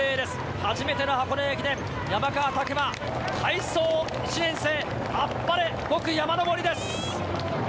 初めての箱根駅伝、山川拓馬、快走１年生、あっぱれ５区山上りです。